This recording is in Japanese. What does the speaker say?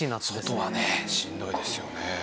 外はねしんどいですよね。